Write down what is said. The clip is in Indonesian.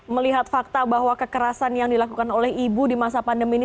melihat fakta bahwa kekerasan yang dilakukan oleh ibu di masa pandemi ini